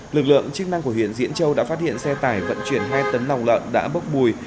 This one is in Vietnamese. lực lượng chức năng của huyện diễn châu đã phát hiện xe tải vận chuyển hai tấn lòng lợn đã bốc mùi